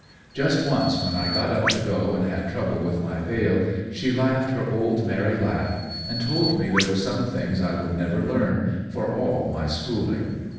Just once, when I got up to go and had trouble with my veil, she laughed her old merry laugh and told me there were some things I would never learn, for all my schooling.